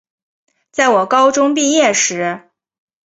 在我高中毕业时